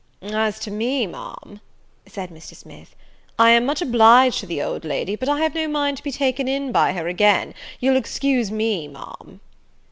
"As to me, Ma'am," said Mr. Smith, "I am much obliged to the old lady, but I have no mind to be taken in by her again; you'll excuse me, Ma'am."